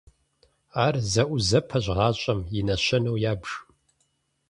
Ар зэӀузэпэщ гъащӀэм и нэщэнэу ябж.